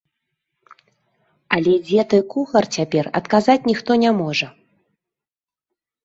Але дзе той кухар цяпер, адказаць ніхто не можа!